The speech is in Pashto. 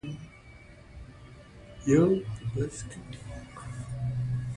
ازادي راډیو د بانکي نظام حالت ته رسېدلي پام کړی.